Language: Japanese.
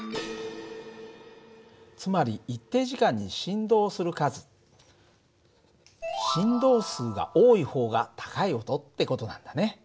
つまり一定時間に振動する数振動数が多い方が高い音って事なんだね。